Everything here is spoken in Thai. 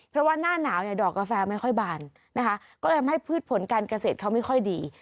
เพราะว่าหน้าหนาวเนี่ยดอกกาแฟไม่ค่อยบานนะคะก็เลยทำให้พืชผลการเกษตรเขาไม่ค่อยดี